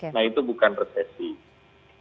nah itu bukan recessive